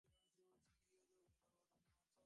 এই যোগ সর্বশ্রেষ্ঠ, কিন্তু কঠিনতম।